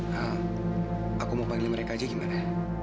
nah aku mau panggil mereka aja gimana